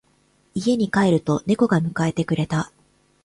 家に帰ると猫が迎えてくれた。